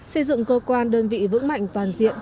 xây dựng cơ quan đơn vị vững mạnh toàn diện